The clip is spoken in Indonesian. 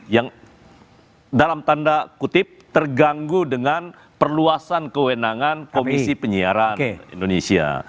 yang dalam tanda kutip terganggu dengan perluasan kewenangan komisi penyiaran indonesia